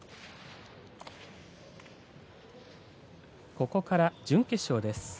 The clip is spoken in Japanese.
ここから準決勝です。